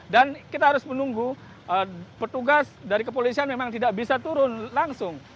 dan kita harus menunggu petugas dari kepolisian memang tidak bisa turun langsung